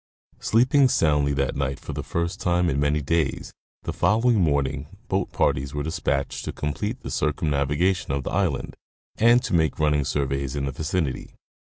Sleeping soundly that night, for the first time in many days, the following morning boat parties were dispatched to complete the circumnavigation of the island and to make running surveys in the vicinity.